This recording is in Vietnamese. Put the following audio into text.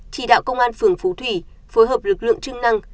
chỉ đạo công an phường phú thủy phối hợp lực lượng chức năng